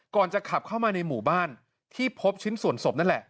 จะขับเข้ามาในหมู่บ้านที่พบชิ้นส่วนศพนั่นแหละ